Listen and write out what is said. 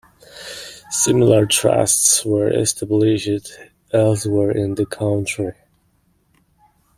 Similar trusts were established elsewhere in the country.